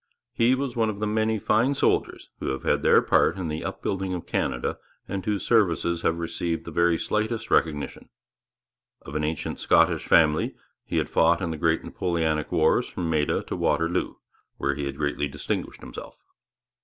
He was one of the many fine soldiers who have had their part in the upbuilding of Canada and whose services have received the very slightest recognition. Of an ancient Scottish family, he had fought in the great Napoleonic wars from Maida to Waterloo, where he had greatly distinguished himself.